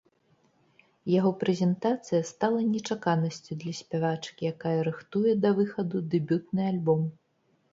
Яго прэзентацыя стала нечаканасцю для спявачкі, якая рыхтуе да выхаду дэбютны альбом.